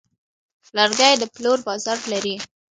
لرګی د پلور بازار لري.